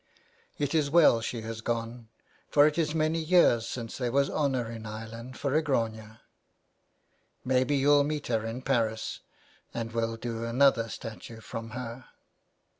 " It is well she has gone ; for it is many years since there was honour in Ireland for a Grania." '* Maybe you'll meet her in Paris and will do another statue from her.'